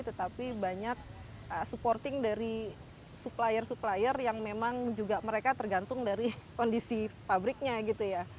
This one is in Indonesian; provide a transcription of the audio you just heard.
tetapi banyak supporting dari supplier supplier yang memang juga mereka tergantung dari kondisi pabriknya gitu ya